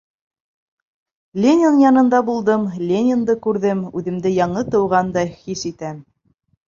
— Ленин янында булдым, Ленинде күрҙем, үҙемде яңы тыуғандай хис итәм.